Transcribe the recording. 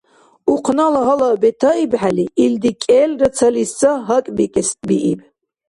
Унзала гьала бетаибхӀели, илди кӀелра цалис ца гьакӀбикӀесбииб.